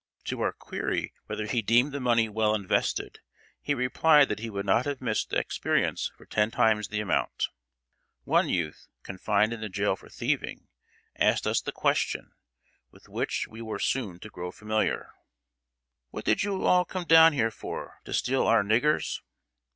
To our query whether he deemed the money well invested, he replied that he would not have missed the experience for ten times the amount. One youth, confined in the jail for thieving, asked us the question, with which we were soon to grow familiar: "What did you all come down here for, to steal our niggers?"